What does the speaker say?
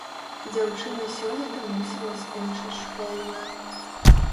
Дзяўчына сёлета мусіла скончыць школу.